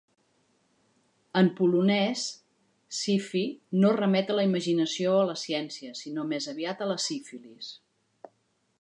En polonès, "syfy" no remet a la imaginació o la ciència, sinó més aviat a la sífilis.